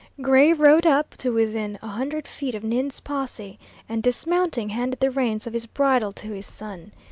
Gray rode up to within a hundred feet of Ninde's posse, and dismounting handed the reins of his bridle to his son.